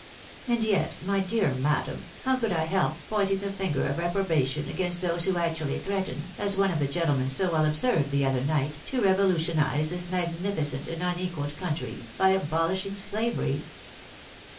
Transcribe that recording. And yet, my dear madam, how could I help pointing the finger of reprobation against those who actually threaten, as one of the gentlemen so well observed the other night, to revolutionise this magnificent and unequalled country, by abolishing slavery